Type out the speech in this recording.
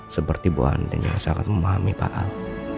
seperti bohan dan yang sangat memahami pak al